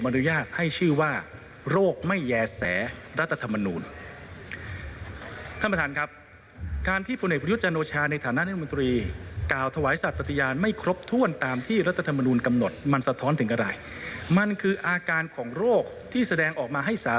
ได้มีการอภิปรายในวันนี้ค่ะ